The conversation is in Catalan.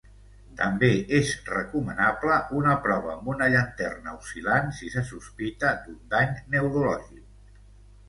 També és recomanable una prova amb una llanterna oscil·lant si se sospita d'un dany neurològic.